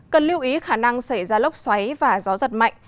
cần lưu ý khả năng xảy ra lốc xoáy và gió giật mạnh